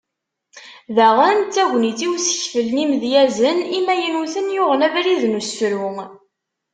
Daɣen d tagnit i usekfel n yimedyazen imaynuten yuɣen abrid n usefru.